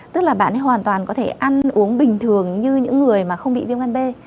tức là bạn ấy hoàn toàn có thể ăn uống bình thường như những người mà không bị viêm gan b